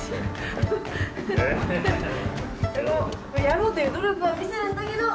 やろうという努力は見せるんだけど。